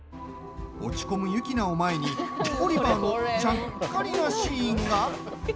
落ち込むユキナを前にオリバーのちゃっかりなシーンが。